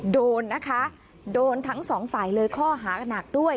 โดนนะคะโดนทั้งสองฝ่ายเลยข้อหานักด้วย